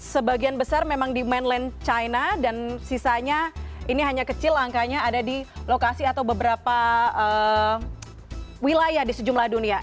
sebagian besar memang di mainland china dan sisanya ini hanya kecil angkanya ada di lokasi atau beberapa wilayah di sejumlah dunia